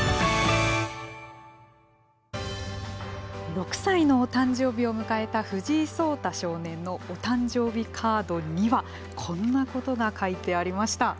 ６歳のお誕生日を迎えた藤井聡太少年のお誕生日カードにはこんなことが書いてありました。